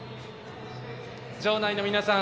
場内の皆さん